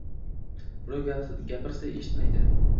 Birov gapirsa eshitmaydi.